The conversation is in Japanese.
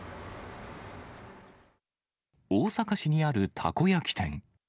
大阪市にあるたこ焼き店。